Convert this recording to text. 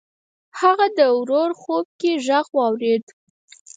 هغه د ورور خوب کې غږ واورېد.